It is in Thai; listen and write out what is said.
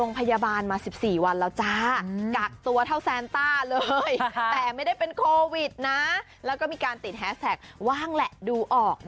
น่ารักไหมน่ารักมาก